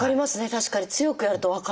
確かに強くやると分かる。